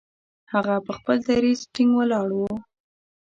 هغه پر خپل دریځ ټینګ ولاړ وو.